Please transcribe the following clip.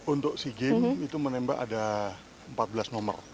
untuk sea games itu menembak ada empat belas nomor